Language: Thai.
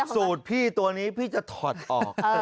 สูตรพี่ตัวนี้พี่จะถอดออก